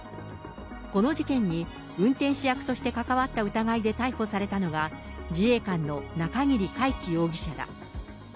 この事件に、運転手役として関わった疑いで逮捕されたのが、自衛官の中桐海知容疑者だ。